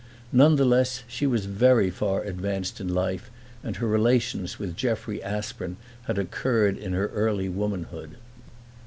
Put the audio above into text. Nonetheless she was very far advanced in life, and her relations with Jeffrey Aspern had occurred in her early womanhood.